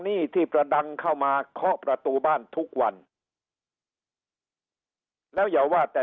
หนี้ที่ประดังเข้ามาเคาะประตูบ้านทุกวันแล้วอย่าว่าแต่